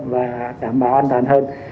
và đảm bảo an toàn hơn